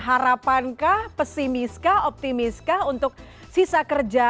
harapankah pesimis kah optimis kah untuk sisa kerja